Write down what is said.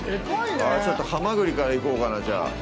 ちょっとハマグリから行こうかな、じゃあ。